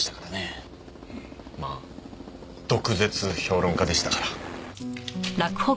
まあ毒舌評論家でしたから。